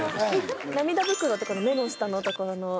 涙袋って目の下の所の。